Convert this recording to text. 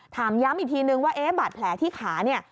ถามย้ำอีกทีนึงว่าแผลที่ขา